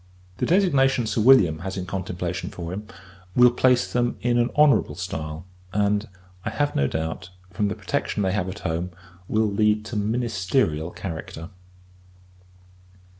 The designation Sir William has in contemplation for him, will place them in an honourable stile; and, I have no doubt, from the protection they have at home, will lead to ministerial character.